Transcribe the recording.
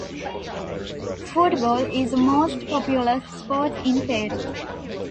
Football is the most popular sport in Peru.